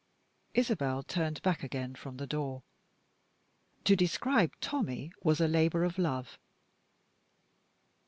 Isabel turned back again from the door. To describe Tommie was a labor of love.